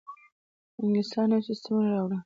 انګلیسانو نوي سیستمونه راوړل.